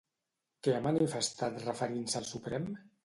Què ha manifestat referint-se al Suprem?